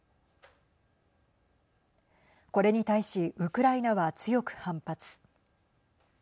これに対しウクライナは強く反発。